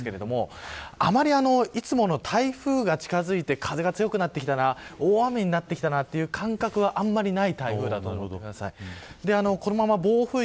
なので、台風がわりとこの後、あした東海沖まで接近してくるんですがあんまり、いつもの台風が近づいて風が強くなってきたな大雨になってきたな、という感覚は、あまりない台風だと思います。